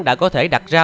đã có thể đặt ra